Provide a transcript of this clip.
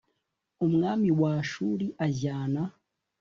Umwami wa ashuri ajyana